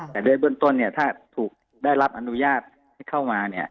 แต่โดยเบื้องต้นถ้าถูกได้รับอนุญาตให้เข้ามา